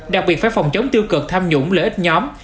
đặc biệt phải phòng chống tiêu cực tham nhũng lợi ích nhóm